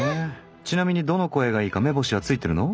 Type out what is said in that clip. ちなみにどの声がいいか目星はついてるの？